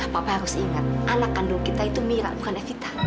bapak harus ingat anak kandung kita itu mira bukan eh vita